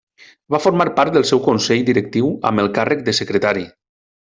Va formar part del seu Consell Directiu amb el càrrec de secretari.